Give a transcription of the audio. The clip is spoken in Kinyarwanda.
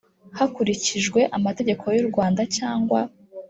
hakurikijwe amategeko y u Rwanda cyangwa